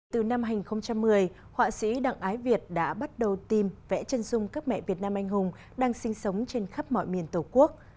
từ năm hai nghìn một mươi họa sĩ đặng ái việt đã bắt đầu tìm vẽ chân dung các mẹ việt nam anh hùng đang sinh sống trên khắp mọi miền tổ quốc